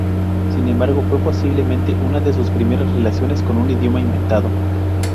Sin embargo, fue posiblemente una de sus primeras relaciones con un idioma inventado.